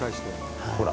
ほら。